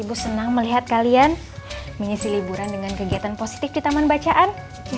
ibu senang melihat kalian mengisi liburan dengan kegiatan positif di taman bacaan